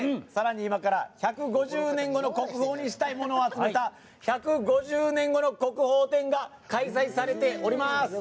今から１５０年後の国宝にしたいものを集めた「１５０年後の国宝展」が開催されております。